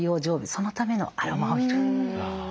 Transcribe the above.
そのためのアロマオイル。